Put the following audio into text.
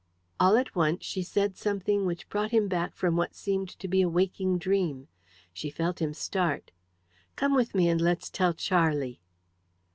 All at once she said something which brought him back from what seemed to be a waking dream. She felt him start. "Come with me, and let's tell Charlie."